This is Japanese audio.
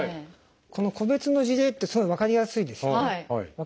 この個別の事例ってすごい分かりやすいですよね。